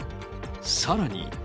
さらに。